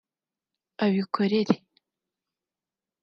abikorere